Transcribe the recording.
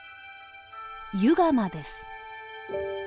湯釜です。